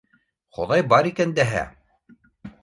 Хоҙай бар икән дәһә!